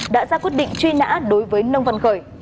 đã ra quyết định truy nã đối với nông văn khởi